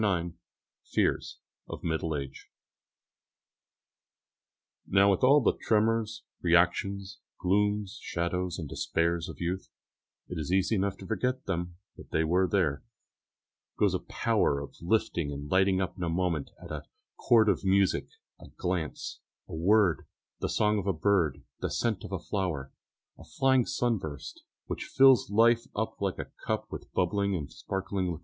IX FEARS OF MIDDLE AGE Now with all the tremors, reactions, glooms, shadows, and despairs of youth it is easy enough to forget them, but they were there goes a power of lifting and lighting up in a moment at a chord of music, a glance, a word, the song of a bird, the scent of a flower, a flying sunburst, which fills life up like a cup with bubbling and sparkling liquor.